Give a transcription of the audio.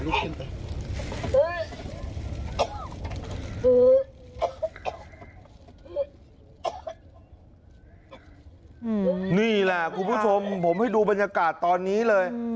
คุณผู้ชมผมให้ดูบรรยากาศตอนนี้เลย